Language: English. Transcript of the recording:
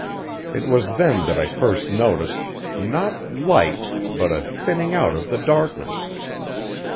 It was then that I first noticed not light, but a thinning out of the darkness.